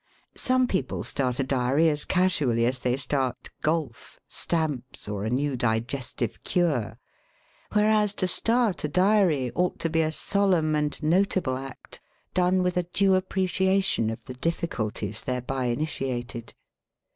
Some people start a diary as casually as they start golf, stamps, or a new digestive cure. Whereas to start a diary ought to be a solemn and notable act, done with a due appreciation of the difficulties thereby initiated.